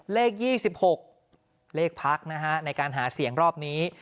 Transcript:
เลข๒๖เลขพักนะฮะในการหาเสียงรอบนี้